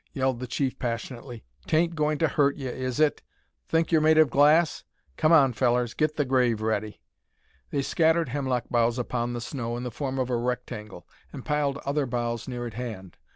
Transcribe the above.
yelled the chief, passionately. "'Tain't goin' to hurt ye, is it? Think you're made of glass? Come on, fellers, get the grave ready!" They scattered hemlock boughs upon the snow in the form of a rectangle, and piled other boughs near at hand.